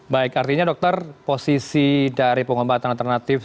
baik artinya dokter posisi dari pengobatan alternatif